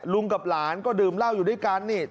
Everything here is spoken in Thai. กับหลานก็ดื่มเหล้าอยู่ด้วยกันนี่